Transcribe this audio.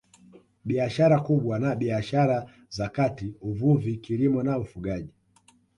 Biashara kubwa na biashara za kati Uvuvi Kilimo na Ufugaji